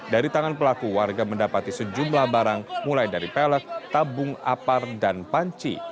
dari tangan pelaku warga mendapati sejumlah barang mulai dari pelek tabung apar dan panci